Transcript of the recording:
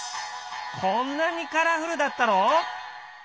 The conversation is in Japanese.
こんなにカラフルだったの！？